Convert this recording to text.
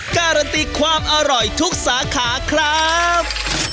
การันตีความอร่อยทุกสาขาครับ